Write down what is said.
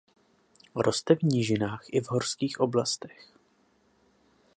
Roste v nížinách i v horských oblastech.